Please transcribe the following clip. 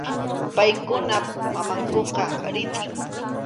Paykunap mamankuqa ritʼim.